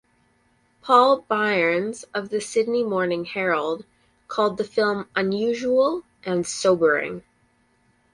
Paul Byrnes of "The Sydney Morning Herald" called the film "unusual" and "sobering".